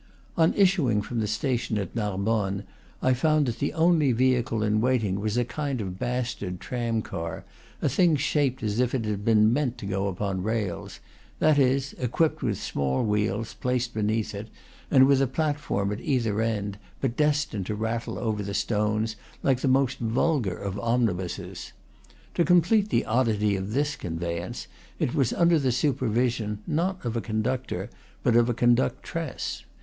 On issuing from the station at Narbonne, I found that the only vehicle in waiting was a kind of bastard tramcar, a thing shaped as if it had been meant to go upon rails; that is, equipped with small wheels, placed beneath it, and with a platform at either end, but destined to rattle over the stones like the most vulgar of omnibuses. To complete the oddity of this conveyance, it was under the supervision, not of a conductor, but of a conductress.